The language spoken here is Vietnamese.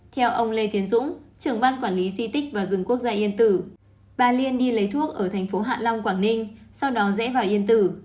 theo ông lê tiến dũng trưởng ban quản lý di tích và rừng quốc gia yên tử bà liên đi lấy thuốc ở thành phố hạ long quảng ninh sau đó rẽ vào yên tử